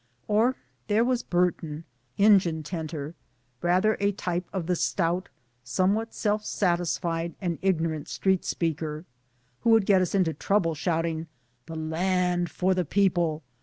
Or there was Burton, engine tenter, rather a type of the stout, somewhat self satis fied and ignorant street speaker, who would get us into trouble shouting " The land for the people